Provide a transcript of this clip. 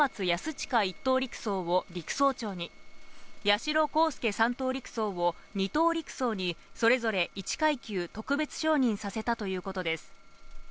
親１等陸曹を陸曹長に、八代航佑３等陸曹を２等陸曹に、それぞれ１階級特別昇任させたということです。